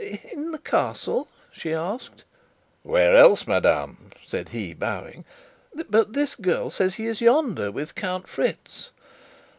"In the Castle?" she asked. "Where else, madame?" said he, bowing. "But this girl says he is yonder with Count Fritz."